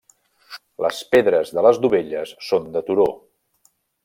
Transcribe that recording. Les pedres de les dovelles són de turó.